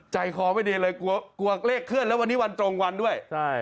ใจคอไม่ดีเลยกลัวกลัวเลขเคลื่อนแล้ววันนี้วันตรงวันด้วยใช่